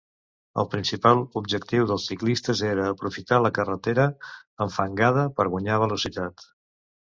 El principal objectiu dels ciclistes era aprofitar la carretera enfangada per guanyar velocitat.